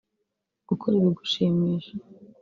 Gukora ibigushimisha